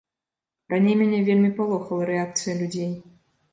Раней мяне вельмі палохала рэакцыя людзей.